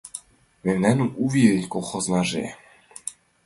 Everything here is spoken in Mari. Мемнан «У вий» колхознаже